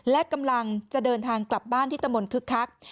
และกำลังจะเดินทางกลับบ้านที่ตะมนต์คึกคัก